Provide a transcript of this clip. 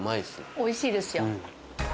おいしいですよ。